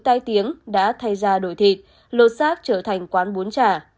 tai tiếng đã thay ra đổi thịt lộ xác trở thành quán bún chả